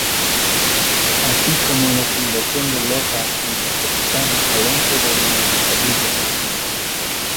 Así como en en la fundación de Loja junto al capitán Alonso de Mercadillo,